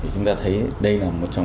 chúng ta thấy đây là một trong